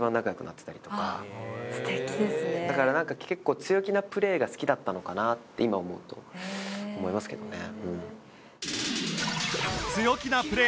だからなんか結構強気なプレーが好きだったのかなって今思うと思いますけどね。